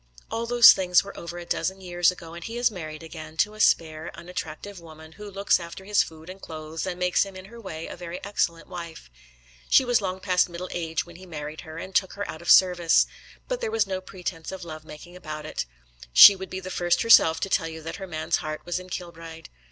All those things were over a dozen years ago, and he is married again, to a spare, unattractive woman, who looks after his food and clothes, and makes him in her way a very excellent wife. She was long past middle age when he married her and took her out of service. But there was no pretence of love making about it. She would be the first herself to tell you that her man's heart was in Kilbride.